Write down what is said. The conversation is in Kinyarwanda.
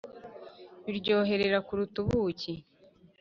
Biryoherera kuruta ubuki